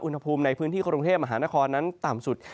อุณหภูมิในพื้นที่กรุงเทพมหานครนั้นต่ำสุด